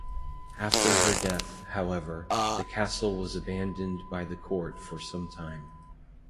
After her death, however, the Castle was abandoned by the court for some time.